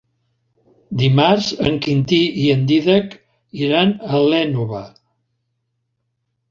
Dimarts en Quintí i en Dídac iran a l'Énova.